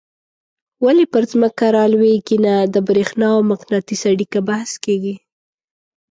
ولي پر ځمکه رالویږي نه د برېښنا او مقناطیس اړیکه بحث کیږي.